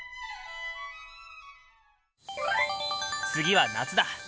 次は「夏」だ！